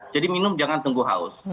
jadi minum jangan tunggu haus